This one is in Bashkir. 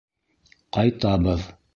Ҡайтабыҙ!